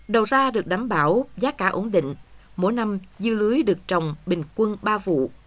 đầu ra được đảm bảo giá cả ổn định mỗi năm dưa lưới được trồng bình quân ba vụ